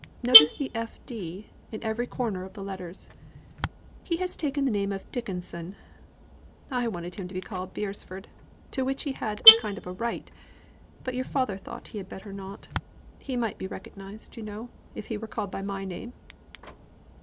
Notice the F. D. in every corner of the letters. He has taken the name of Dickenson. I wanted him to have been called Beresford, to which he had a kind of right, but your father thought he had better not. He might be recognised, you know, if he were called by my name."